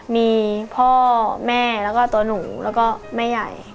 มีพ่อแม่แล้วก็ตัวหนูแล้วก็แม่ใหญ่